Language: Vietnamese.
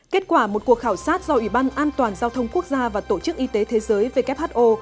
kết quả một cuộc khảo sát do ủy ban an toàn giao thông quốc gia và tổ chức y tế thế giới who